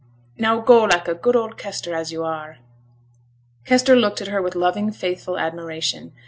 Now go, like a good old Kester as yo' are.' Kester looked at her with loving, faithful admiration.